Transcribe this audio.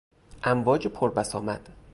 امواج پر بسامد